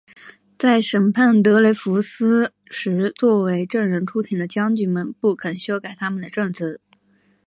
在审判德雷福斯时作为证人出庭的将军们不肯修改他们的证词。